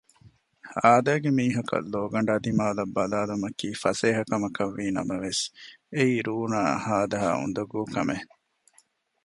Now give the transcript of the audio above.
އާދައިގެ މީހަކަށް ލޯގަނޑާ ދިމާއަށް ބަލާލުމަކީ ފަސޭހަކަމަކަށް ވީނަމަވެސް އެއީ ރޫނާއަށް ހާދަހާ އުނދަގޫ ކަމެއް